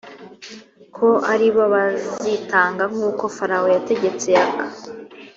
ko ari bo bazitanga nk uko farawo yategetse yaka